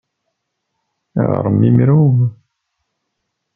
Ɣer-m imru?